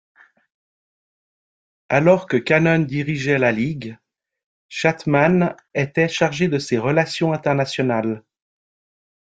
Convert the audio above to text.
Alors que Cannon dirigeait la Ligue, Schachtman était chargé de ses relations internationales.